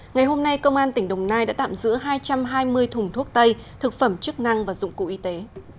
ngày hôm nay công an tỉnh đồng nai đã tạm giữ hai trăm hai mươi thùng thuốc tây thực phẩm chức năng và dụng cụ y tế